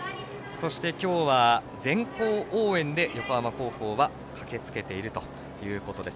そして、今日は全校応援で横浜高校は駆けつけているということです。